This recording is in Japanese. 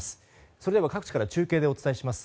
それでは各地から中継でお伝えします。